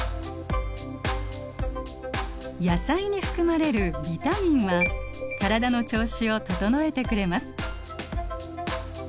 野菜に含まれるビタミンは体の調子を整えてくれます。